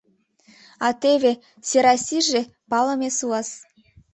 А теве Серазиже — палыме суас.